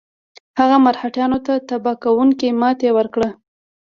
هغه مرهټیانو ته تباه کوونکې ماته ورکړه.